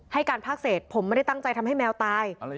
ให้การภาคเศษผมไม่ได้ตั้งใจทำให้แมวตาย